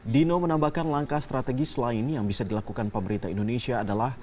dino menambahkan langkah strategis lain yang bisa dilakukan pemerintah indonesia adalah